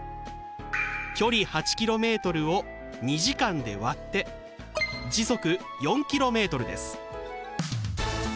距離８ｋｍを２時間で割って時速４ｋｍです。